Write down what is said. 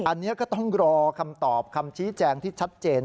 อันนี้ก็ต้องรอคำตอบคำชี้แจงที่ชัดเจน